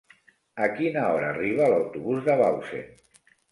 A quina hora arriba l'autobús de Bausen?